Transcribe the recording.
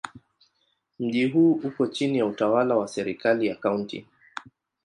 Mji huu uko chini ya utawala wa serikali ya Kaunti.